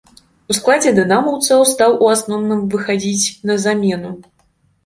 У складзе дынамаўцаў стаў у асноўным выхадзіць на замену.